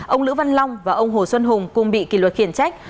ông lữ văn long và ông hồ xuân hùng cùng bị kỷ luật khiển trách